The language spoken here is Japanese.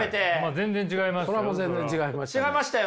全然違いますよ。